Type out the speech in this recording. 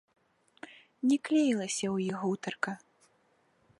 Не клеілася ў іх гутарка.